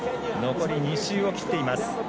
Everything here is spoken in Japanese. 残り２周を切っています。